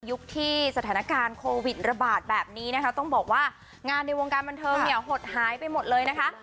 ที่สถานการณ์โควิดระบาดแบบนี้นะคะต้องบอกว่างานในวงการบันเทิงเนี่ยหดหายไปหมดเลยนะคะ